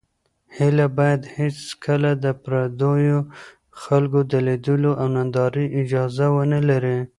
هیله باید هېڅکله د پردیو خلکو د لیدلو او نندارې اجازه ونه لري.